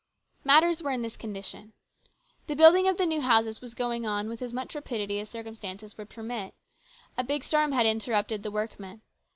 Matters were in this condition. The building of the new houses was going on with as much rapidity as circumstances would permit. A big storm had interrupted the workmen.